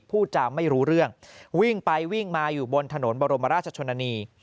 พูดจาไม่รู้เรื่องวิ่งไปวิ่งมาอยู่บนถนนบรมราชชนนานี